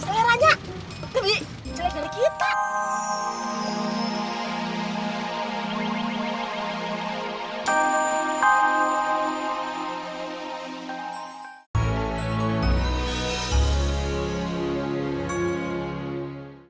seleranya lebih jelek dari kita